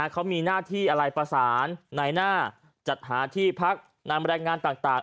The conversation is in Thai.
เขามีหน้าที่อะไรประสานในหน้าจัดหาที่พักนำแรงงานต่าง